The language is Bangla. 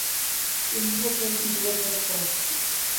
ইন্দ্রিয়-কেন্দ্রিক জীবন যাপন করা সহজ।